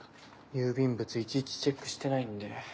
郵便物いちいちチェックしてないんで。